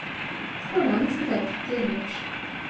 Складана сказаць, дзе лепш.